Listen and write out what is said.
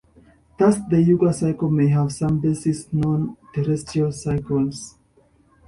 Thus the yuga cycle may have some basis in known terrestrial cycles.